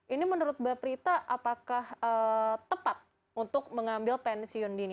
ini menurut mbak prita apakah tepat untuk mengambil pensiun dini